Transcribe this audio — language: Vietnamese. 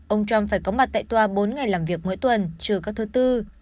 ông trump phải có mặt tại tòa bốn ngày làm việc mỗi tuần trừ các thứ tư